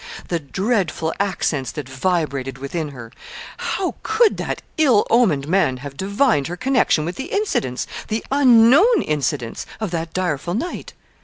the dreadful accents that vibrated within her! How could that ill omened man have divined her connection with the incidents the unknown incidents of that direful night?